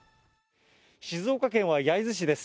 静岡県は焼津市です。